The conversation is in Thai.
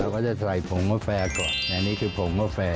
เราก็จะใส่ผงแอปแฟก่อนอันนี้คือผงแอปแฟ